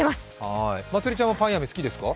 まつりちゃんはパインアメ、好きですか。